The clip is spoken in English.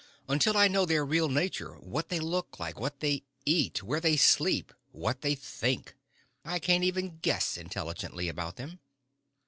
Until I do know their real nature, what they look like, what they eat, where they sleep, what they think, I can't even guess intelligently about them.